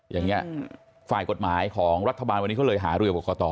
อย่างนี้ฝ่ายกฎหมายของรัฐบาลวันนี้เขาเลยหารือกรกต